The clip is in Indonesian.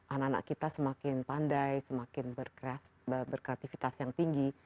anak anak kita semakin pandai semakin berkreativitas yang tinggi